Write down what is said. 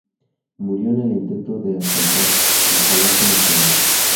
Murió en el intento de asaltar el Palacio Nacional.